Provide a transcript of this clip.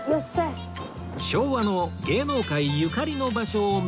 昭和の芸能界ゆかりの場所を巡る旅